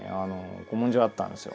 古文書あったんですよ。